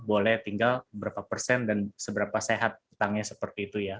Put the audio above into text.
boleh tinggal berapa persen dan seberapa sehat utangnya seperti itu ya